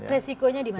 risikonya di mana pak